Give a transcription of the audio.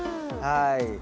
はい。